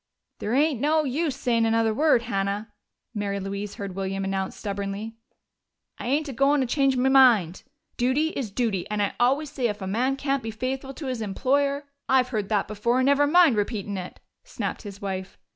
"There ain't no use sayin' another word, Hannah," Mary Louise heard William announce stubbornly. "I ain't a goin' a change me mind. Duty is duty, and I always say if a man can't be faithful to his employer " "I've heard that before, never mind repeatin' it!" snapped his wife.